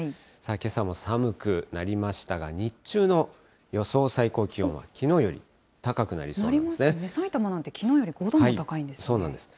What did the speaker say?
けさも寒くなりましたが、日中の予想最高気温はきのうより高くなさいたまなんてきのうより５そうなんです。